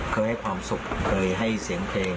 เคยให้ความสุขเคยให้เสียงเพลง